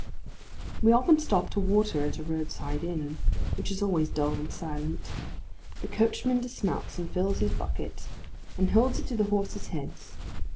We often stop to water at a roadside inn, which is always dull and silent. The coachman dismounts and fills his bucket, and holds it to the horses' heads.